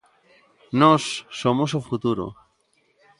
Nós somos o futuro.